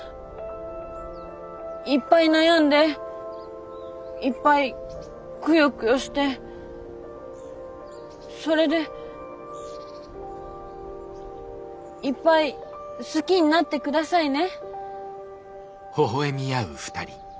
いっぱい悩んでいっぱいクヨクヨしてそれでいっぱい好きになって下さいね。